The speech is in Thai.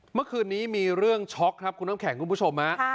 เมื่อคืนนี้มีเรื่องช็อกครับคุณน้ำแข็งคุณผู้ชมฮะ